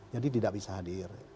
jadi tidak bisa hadir